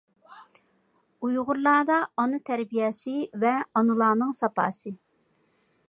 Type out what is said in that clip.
ئۇيغۇرلاردا ئانا تەربىيەسى ۋە ئانىلارنىڭ ساپاسى.